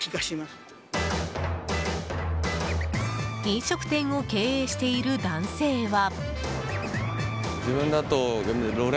飲食店を経営している男性は。